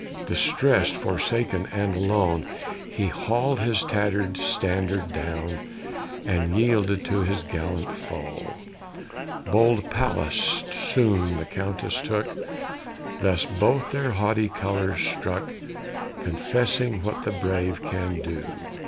Distress'd, forsaken, and alone, He haul'd his tatter'd standard down, And yielded to his gallant foe; Bold Pallas soon the Countess took, Thus both their haughty colors struck, Confessing what the brave can do.